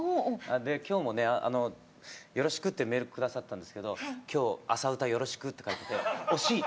で今日もねあの「よろしく」ってメール下さったんですけど今日あさウタよろしくって書いてて惜しい！